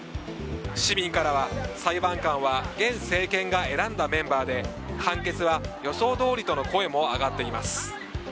市民からは、裁判官は現政権が選んだメンバーで判決は予想どおりとの声も上がっています。